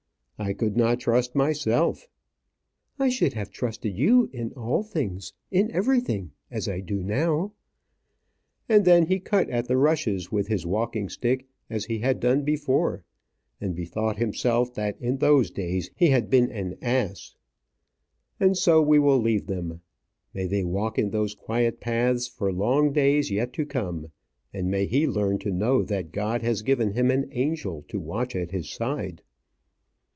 "I could not trust myself." "I should have trusted you in all things, in everything. As I do now." And then he cut at the rushes with his walking stick, as he had done before; and bethought himself that in those days he had been an ass. And so we will leave them. May they walk in those quiet paths for long days yet to come; and may he learn to know that God has given him an angel to watch at his side!